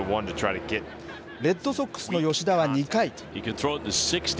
レッドソックスの吉田は２回。